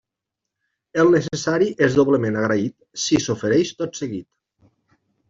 El necessari és doblement agraït si s’ofereix tot seguit.